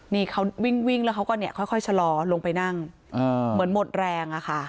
นี่เขาวิ่งแล้วเขาก็เนี่ยค่อยชะลอลงไปนั่งเหมือนหมดแรงอะค่ะ